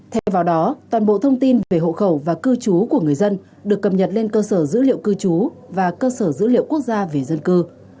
thay vào đó toàn bộ thông tin về hộ khẩu và cư trú của người dân được cập nhật lên cơ sở dữ liệu cư trú và cơ sở dữ liệu quốc gia về dân cư